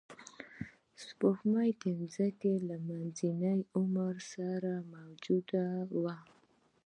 سپوږمۍ د ځمکې له منځني عمر سره موجوده وه